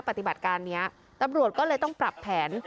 ปฏิบัติการนี้ตำรวจก็เลยต้องปรับแผน